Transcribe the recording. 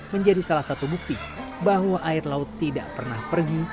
menjadi salah satu bukti bahwa air laut tidak pernah pergi